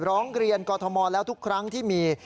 ร้องเรียนกรทมแล้วทุกครั้งที่มี